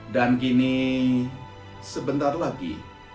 dan kini sebentar lagi